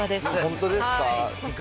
本当ですか。